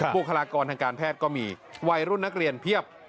บุคลากรทางการแพทย์ก็มีวัยรุ่นนักเรียนเพียบ